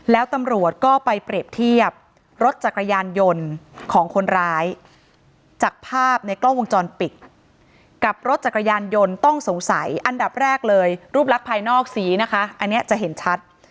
แล้วตำรวจก็ไปเปรียบเทียบรถจักรยานยนต์ของคนร้ายจากภาพในกล้องวงจรปิดกับรถจักรยานยนต์ต้องสงสัยอันดับแรกเลยรูปลักษณ์ภายนอกสีนะคะอันนี้จะเห็นชัด